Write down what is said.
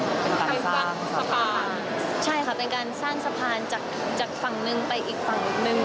เป็นการสร้างสะพานใช่ค่ะเป็นการสร้างสะพานจากจากฝั่งหนึ่งไปอีกฝั่งหนึ่ง